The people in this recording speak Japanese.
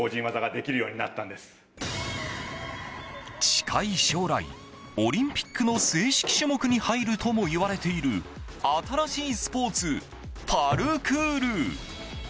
近い将来、オリンピックの正式種目に入るともいわれている新しいスポーツ、パルクール。